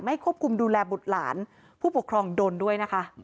ควบคุมดูแลบุตรหลานผู้ปกครองโดนด้วยนะคะ